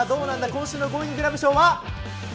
今週のゴーインググラブ賞は？